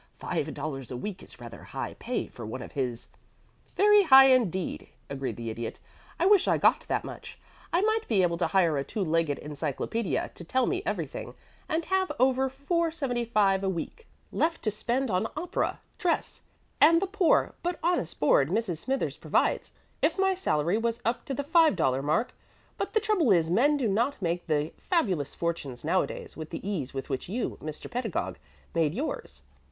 "Five dollars a week is rather high pay for one of his " "Very high indeed," agreed the Idiot. "I wish I got that much. I might be able to hire a two legged encyclopædia to tell me everything, and have over $4.75 a week left to spend on opera, dress, and the poor but honest board Mrs. Smithers provides, if my salary was up to the $5 mark; but the trouble is men do not make the fabulous fortunes nowadays with the ease with which you, Mr. Pedagog, made yours.